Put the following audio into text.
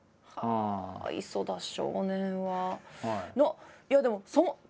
磯田少年は。